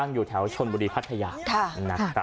ก็แค่มีเรื่องเดียวให้มันพอแค่นี้เถอะ